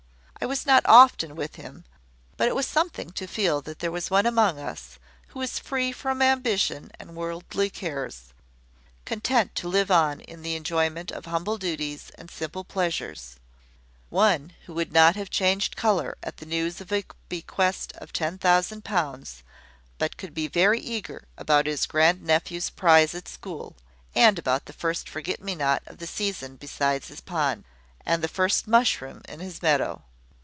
I was not often with him: but it was something to feel that there was one among us who was free from ambition and worldly cares, content to live on in the enjoyment of humble duties and simple pleasures, one who would not have changed colour at the news of a bequest of ten thousand pounds, but could be very eager about his grand nephew's prize at school, and about the first forget me not of the season beside his pond, and the first mushroom in his meadow.